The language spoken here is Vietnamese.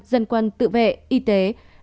dân quân tự vệ y tế